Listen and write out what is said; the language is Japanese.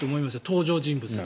登場人物。